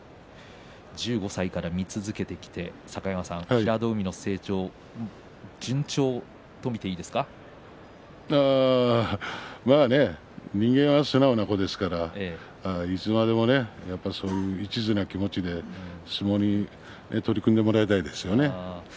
１５歳から見続けてきた境川さん平戸海、成長は素直な子ですのでいつまでも、いちずな気持ちで相撲に取り組んでもらいたいですね。